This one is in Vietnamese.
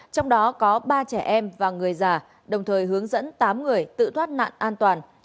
trong đó có ba trẻ em và người già đồng thời hướng dẫn tám người tự thoát nạn an toàn